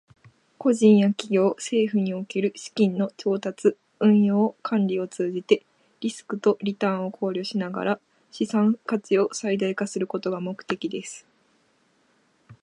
個人や企業、政府における資金の調達、運用、管理を通じて、リスクとリターンを考慮しながら資産価値を最大化することが目的です。